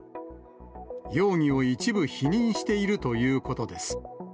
容疑を一部否認しているということです。